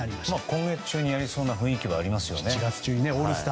今月中にやりそうな雰囲気がありますね。